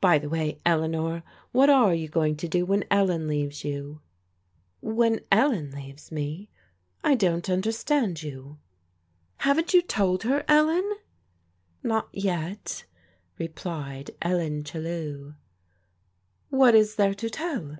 By the way, Eleanor, what are you go mg to do when Ellen leaves you ?"" When Ellen leaves me? I don't understand you." "Haven't you told her, Ellen?" " Not yet," replied Ellen Chellew. " What is there to tell